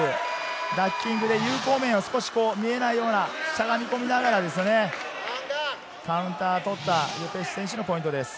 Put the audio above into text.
ダッキングで有効面が見えないような、しゃがみこみながら、カウンターを取ったル・ペシュ選手のポイントです。